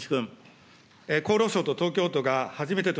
厚労省と東京都が、初めてと